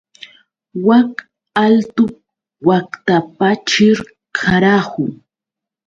Wak altu waqtapaćhr, ¡karahu!